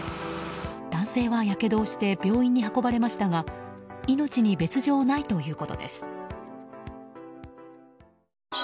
男性はやけどをして病院に運ばれましたが命に別条はないということです。